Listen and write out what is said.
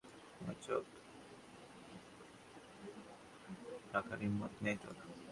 আমার চোখে চোখ রাখারও হিম্মত নেই তোর।